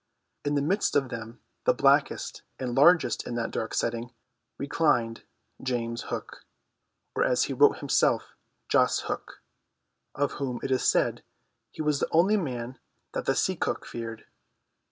In the midst of them, the blackest and largest in that dark setting, reclined James Hook, or as he wrote himself, Jas. Hook, of whom it is said he was the only man that the Sea Cook feared.